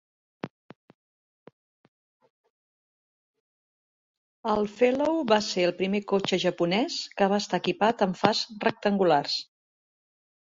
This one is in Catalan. El Fellow va ser el primer cotxe japonès que va estar equipat amb fars rectangulars.